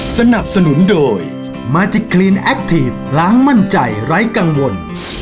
แคล็กทีฟล้างมั่นใจไร้กังวล